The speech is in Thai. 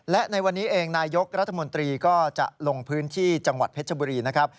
และในวันนี้เองนายกรัฐมนตรีก็จะลงพื้นที่จังหวัดเพชรบุรีนะครับ